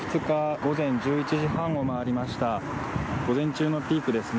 午前中のピークですね。